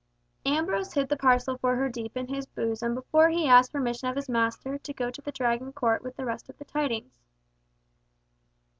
Ambrose hid the parcel for her deep in his bosom before he asked permission of his master to go to the Dragon court with the rest of the tidings.